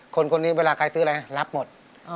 คนนี้เวลาใครซื้ออะไรรับหมด